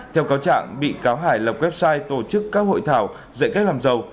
theo cáo trạng bị cáo hải lập website tổ chức các hội thảo dạy cách làm giàu